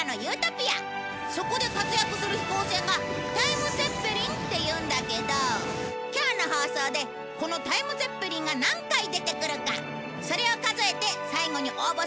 そこで活躍する飛行船がタイムツェッペリンっていうんだけど今日の放送でこのタイムツェッペリンが何回出てくるかそれを数えて最後に応募すれば。